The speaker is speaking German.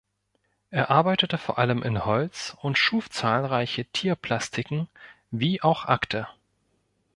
Er arbeitete vor allem in Holz und schuf zahlreiche Tierplastiken wie auch Akte.